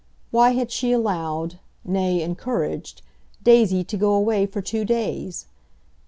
Why had she allowed, nay encouraged, Daisy to go away for two days?